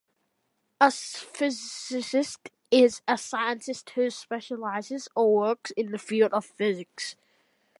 A physicist is a scientist who specializes or works in the field of physics.